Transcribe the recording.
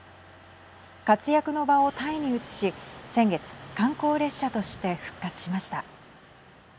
活躍の場をタイに移し先月観光列車として復活しました。